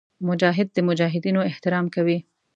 مجاهد د مجاهدینو احترام کوي.